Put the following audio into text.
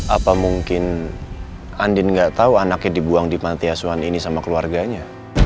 apa mungkin andien gak tau anaknya dibuang di pantai asuhan ini sama keluarganya